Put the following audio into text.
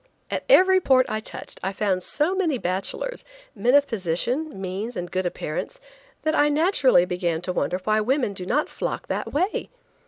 At every port I touched I found so many bachelors, men of position, means and good appearance, that I naturally began to wonder why women do not flock that way.